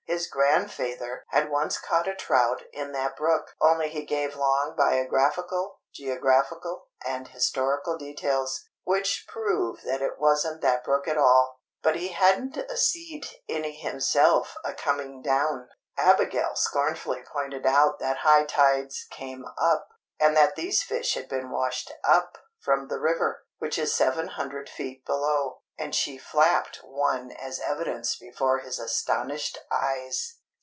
His grandfeyther had once caught a trout in that brook (only he gave long biographical, geographical and historical details, which proved that it wasn't that brook at all); but he hadn't a seed any hisself a coming down. Abigail scornfully pointed out that high tides came up, and these fish had been washed up from the river, which is 700 feet below; and she flapped one as evidence before his astonished eyes.